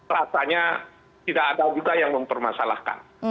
rasanya tidak ada juga yang mempermasalahkan